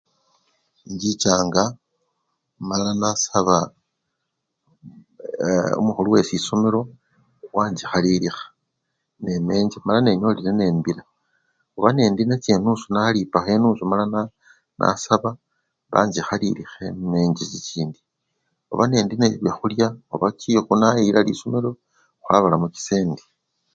Inchichanga mala nasaba ee! omukhulu wesisomelo, wanchikhalilikha nemencha mala nenyolile nembila oba nendi nacho enusu nalipakho enusu mala na! nasaba banchikhalilikha emenche chichindi, oba nendi nebyakhulya oba chikhu nayilila lisomelo khwabalamo chisendi.